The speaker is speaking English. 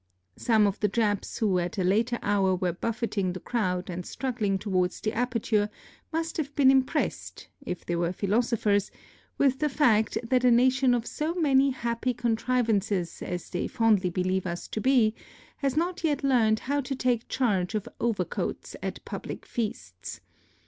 Some of the Japs who at a later hour were buffeting the crowd and struggling towards the aperture must have been impressed, if they were philosophers, with the fact that a nation of so many happy contrivances as they fondly believe us to be has not yet learned how to take charge of overcoats at public feasts.